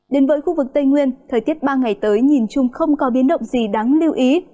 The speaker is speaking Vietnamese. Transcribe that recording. đến với khu vực tây nguyên thời tiết ba ngày tới nhìn chung không có biến động gì đáng lưu ý